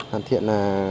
hoàn thiện là